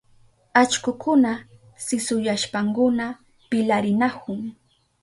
Allkukuna sisuyashpankuna pilarinahun.